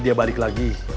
dia balik lagi